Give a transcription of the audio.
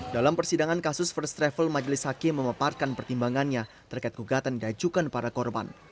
dalam persidangan kasus first travel majelis hakim memeparkan pertimbangannya terkait kugatan dan cukan para korban